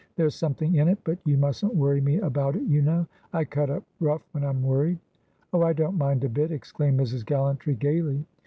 "There's something in it, but you mustn't worry me about it, you know. I cut up rough when I'm worried." "Oh, I don't mind a bit!" exclaimed Mrs. Gallantry, gaily.